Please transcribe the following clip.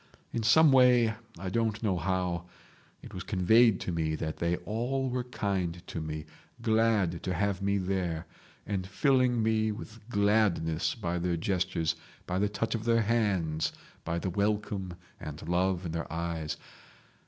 In some way—I don't know how—it was conveyed to me that they all were kind to me, glad to have me there, and filling me with gladness by their gestures, by the touch of their hands, by the welcome and love in their eyes.